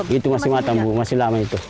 itu masih matang masih lama itu